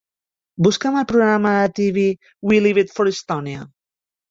Busca'm el programa de TV We Lived for Estonia